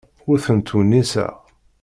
Ur ten-ttwenniseɣ.